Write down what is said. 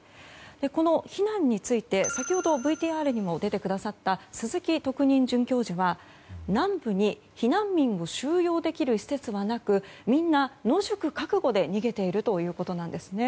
この避難について先ほどＶＴＲに出てくださった鈴木特任准教授は南部に避難民を収容できる施設がなくみんな、野宿覚悟で逃げているということです。